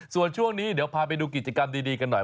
ส่วนช่วงนี้เดี๋ยวพาไปดูกิจกรรมดีกันหน่อย